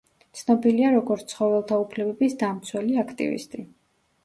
ცნობილია როგორც ცხოველთა უფლებების დამცველი აქტივისტი.